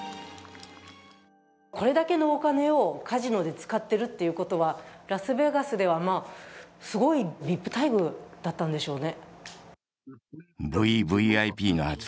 これだけのお金をカジノで使っているということはラスベガスではすごいＶＩＰ待遇だったんでしょうね